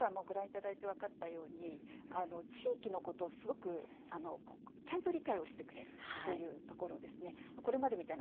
それと、もう１つはご覧いただいて分かったように、地域のことをすごくちゃんと理解をしてくれるというところですね。